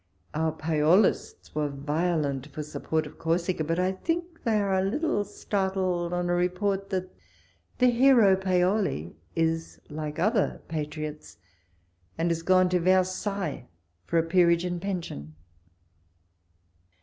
Our Paolists were violent for support of Corsica, but I think they are a little startled on a report that the hero Paoli is like other patriots, and is gone to Versailles, for a peerage and pension.